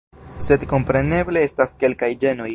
Sed kompreneble estas kelkaj ĝenoj.